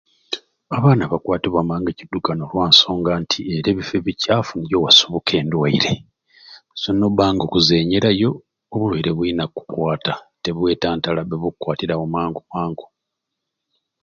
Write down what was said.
Abaana bakwatibwa mangu ekidukano olwansonga era ebifo ebikyafu nigyo wasubuka endwaire so noba nga okuzenyerayo obulwaire buyina kukwata tobwetantala bukukwatirawo mangu mangu